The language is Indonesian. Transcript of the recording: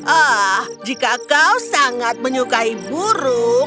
ah jika kau sangat menyukai burung